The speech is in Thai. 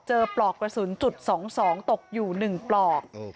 ปลอกกระสุนจุด๒๒ตกอยู่๑ปลอก